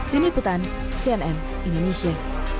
dini putan cnn indonesia